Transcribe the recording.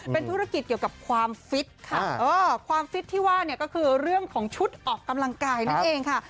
เป็นธุรกิจเกี่ยวกับความฟิตค่ะความฟิตที่ว่าเนี่ยก็คือเรื่องของชุดออกกำลังกายนั่นเองค่ะ